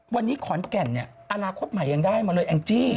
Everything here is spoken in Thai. วันนี้ขอนแก่นเนี่ยอนาคตใหม่ยังได้มาเลยแองจี้